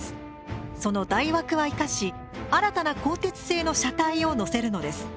その台枠は生かし新たな鋼鉄製の車体を載せるのです。